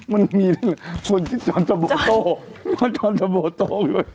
มันมีคนที่จอนสบโต้